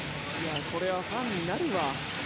これはファンになるわ。